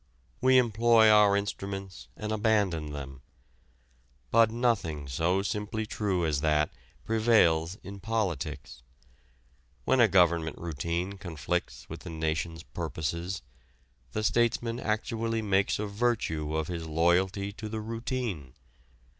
We employ our instruments and abandon them. But nothing so simply true as that prevails in politics. When a government routine conflicts with the nation's purposes the statesman actually makes a virtue of his loyalty to the routine.